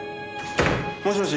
もしもし？